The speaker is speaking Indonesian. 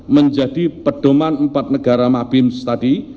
menjadi pedoman empat negara mabims tadi